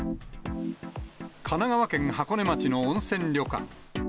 神奈川県箱根町の温泉旅館。